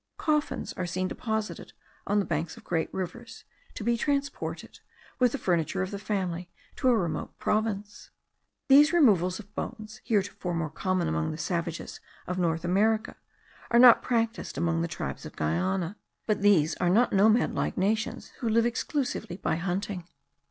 Coffins are seen deposited on the banks of great rivers, to be transported, with the furniture of the family, to a remote province. These removals of bones, heretofore more common among the savages of North America, are not practised among the tribes of Guiana; but these are not nomad, like nations who live exclusively by hunting.